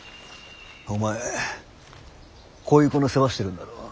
お前こういう子の世話してるんだろ。